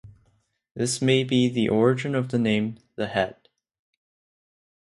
This may be the origin of the name "The Head".